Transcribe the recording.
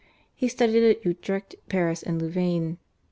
He studied at Utrecht, Paris, and Louvain.